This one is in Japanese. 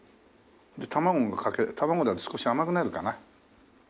卵をかけ卵だと少し甘くなるかな。